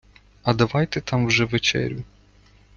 - А давайте там вже вечерю...